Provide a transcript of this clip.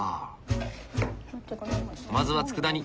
まずはつくだ煮。